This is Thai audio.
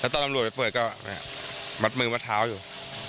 แล้วตอนอำรวจไปเปิดก็เนี่ยมัดมือมัดเท้าอยู่